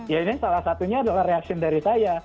ya ini salah satunya adalah reaction dari saya